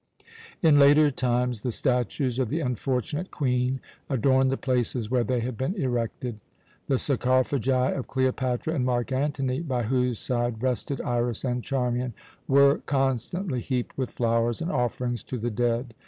In later times the statues of the unfortunate Queen adorned the places where they had been erected. The sarcophagi of Cleopatra and Mark Antony, by whose side rested Iras and Charmian, were constantly heaped with flowers and offerings to the dead.